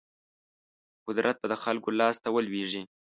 قدرت به د خلکو لاس ته ولویږي.